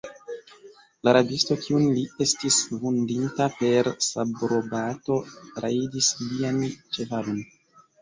La rabisto, kiun li estis vundinta per sabrobato, rajdis lian ĉevalon.